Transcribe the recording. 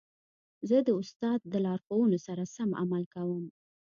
زه د استاد د لارښوونو سره سم عمل کوم.